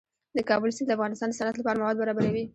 د کابل سیند د افغانستان د صنعت لپاره مواد برابروي.